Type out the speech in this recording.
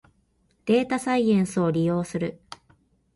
データサイエンスを利用する